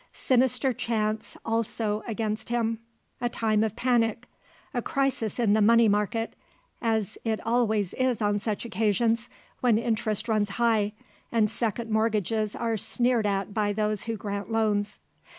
Sinister chance also against him; a time of panic a crisis in the money market as it always is on such occasions, when interest runs high, and second mortgages are sneered at by those who grant loans.